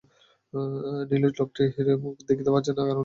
নীলু লোকটির মুখ দেখতে পাচ্ছে না, কারণ লোকটি বসে আছে তার পেছনে।